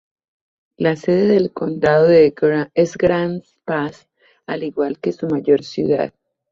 La sede del condado es Grants Pass, al igual que su mayor ciudad.